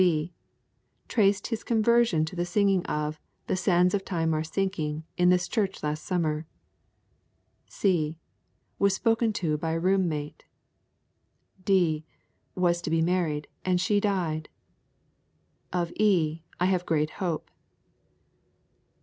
B. traced his conversion to the singing of 'The sands of time are sinking' in this church last summer. C. was spoken to by a room mate. D. was to be married, and she died. Of E. I have great hope.